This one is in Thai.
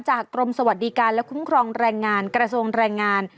กรมสวัสดิการและคุ้มครองแรงงานกระทรวงแรงงาน